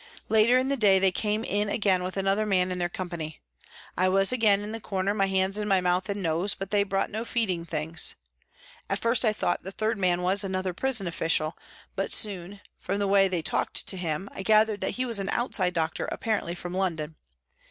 Later in the day they came in again with another man in their company. I was again in the corner, my hands in my mouth and nose, but they brought no feeding things. At first I thought the third man was another prison official ; but soon, from the way they talked to him, I gathered that he was an outside doctor, apparently from London.